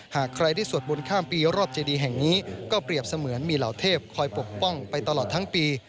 หากใครได้สวดมนต์ข้ามปีรอบเจดีแห่งนี้ก็เปรียบเสมือนมีเหล่าเทพคอยปกป้องไปตลอดทั้งปี